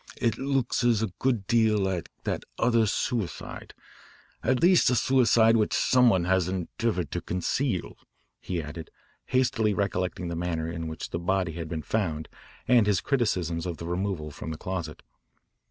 "It looks a good deal like that other suicide at least a suicide which some one has endeavoured to conceal," he added, hastily recollecting the manner in which the body had been found and his criticisms of the removal from the closet.